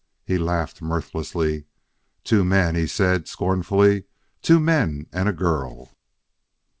He laughed mirthlessly. "Two men," he said scornfully; "two men and a girl!"